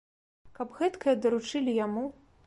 Каб гэткае даручылі яму!